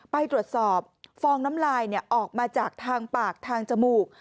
ไปตรวจสอบฟองน้ำลายออกมาจากทางปากทางจมูก